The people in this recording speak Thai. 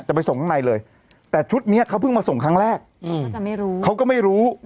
จะไปส่งข้างในเลยแต่ชุดเนี่ยเขาเพิ่งมาส่งครั้งแรกเขาก็ไม่รู้